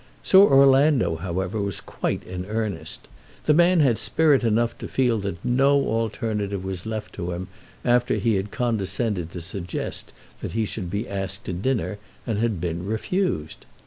Sir Orlando, however, was quite in earnest. The man had spirit enough to feel that no alternative was left to him after he had condescended to suggest that he should be asked to dinner and had been refused.